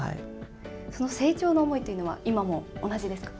その成長の思いというのは、今も同じですか。